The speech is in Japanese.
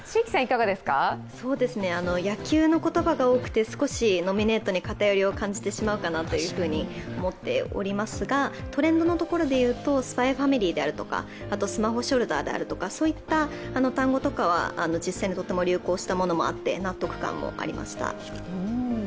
野球の言葉が多くて少しノミネートに偏りを感じてしまうかなと思っておりますが、トレンドのところで言うと「ＳＰＹ×ＦＡＭＩＬＹ」であるとかスマホショルダーであるとか、そういった単語とかは実際にとっても流行したものもあって納得感もありました。